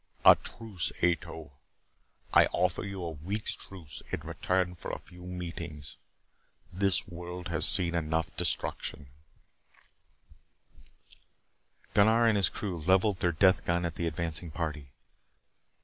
"A truce, Ato. I offer you a week's truce in return for a few meetings. This world has seen enough destruction " Gunnar and his crew leveled their death gun at the advancing party.